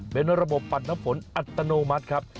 เป็นระบบปัดน้ำฝนอัตโนมัติครับ